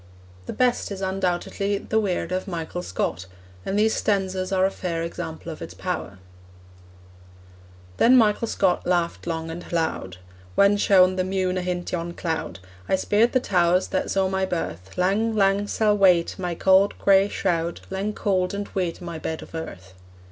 The best is undoubtedly The Weird of Michael Scott, and these stanzas are a fair example of its power: Then Michael Scott laughed long and loud: 'Whan shone the mune ahint yon cloud I speered the towers that saw my birth Lang, lang, sall wait my cauld grey shroud, Lang cauld and weet my bed o' earth!'